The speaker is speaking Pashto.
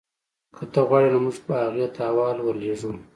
که ته غواړې نو موږ به هغې ته احوال ورلیږو